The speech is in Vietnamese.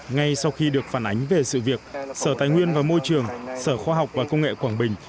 ngay sau khi được phản ánh về sự việc sở tài nguyên và môi trường sở khoa học và công nghệ quảng bình